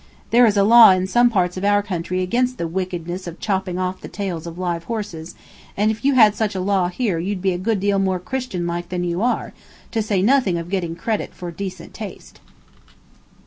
There is a law in some parts of our country against the wickedness of chopping off the tails of live horses, and if you had such a law here you'd be a good deal more Christian like than you are, to say nothing of getting credit for decent taste."